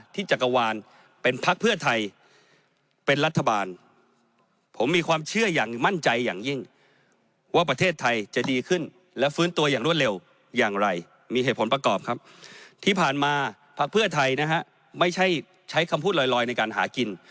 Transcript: ที่ผ่านมาภักษ์เพื่อไทยนะฮะไม่ใช่ใช้คำพูดลอยในการหากิน